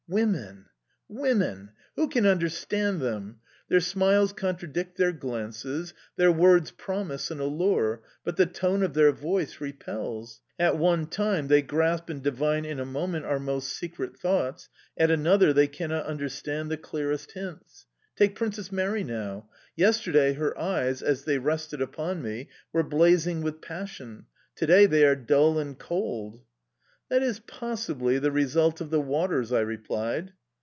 Women! Women! Who can understand them? Their smiles contradict their glances, their words promise and allure, but the tone of their voice repels... At one time they grasp and divine in a moment our most secret thoughts, at another they cannot understand the clearest hints... Take Princess Mary, now: yesterday her eyes, as they rested upon me, were blazing with passion; to day they are dull and cold"... "That is possibly the result of the waters," I replied.